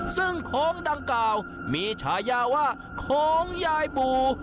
ซึ่งโขงดังเก่ามีชายาว่าโขงยายบู